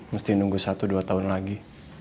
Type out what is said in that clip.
mesti nunggu satu dua tahun lagi